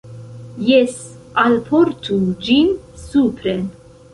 Jes, alportu ĝin supren.